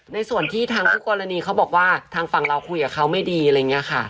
ในส่วนที่ทางคู่กรณีเขาบอกว่าทางฝั่งเราคุยกับเขาไม่ดีอะไรอย่างนี้ค่ะ